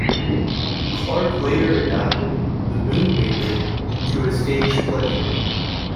Clarke later adapted "The Moonbather" into a stage play.